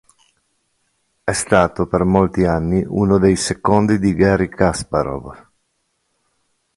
È stato per molti anni uno dei secondi di Garri Kasparov.